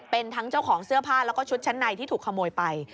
เป็นทั้งเจ้าของเสื้อผ้าแล้วก็ชุดชั้นในที่ถูกขโมยไป